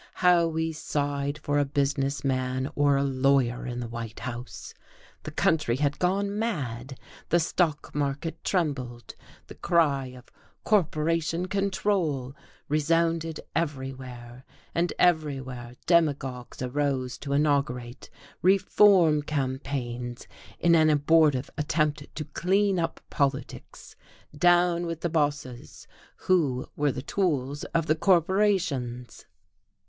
How we sighed for a business man or a lawyer in the White House! The country had gone mad, the stock market trembled, the cry of "corporation control" resounded everywhere, and everywhere demagogues arose to inaugurate "reform campaigns," in an abortive attempt to "clean up politics." Down with the bosses, who were the tools of the corporations!